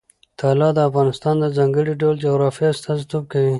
طلا د افغانستان د ځانګړي ډول جغرافیه استازیتوب کوي.